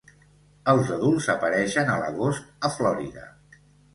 Els adults apareixen a l'agost a Florida.